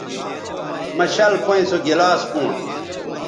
مہ شَل پئیں سو گلاس پونݜ